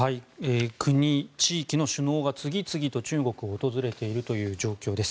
国、地域の首脳が次々と中国を訪れているという状況です。